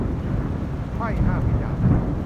ไพร่ห้ามวิจารณ์ !